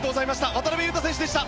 渡邊雄太選手でした。